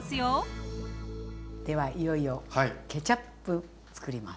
ではいよいよケチャップつくります。